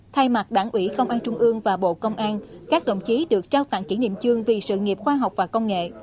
thay mặt đảng ủy công an trung ương và bộ công an các đồng chí được trao tặng kỷ niệm chương vì sự nghiệp khoa học và công nghệ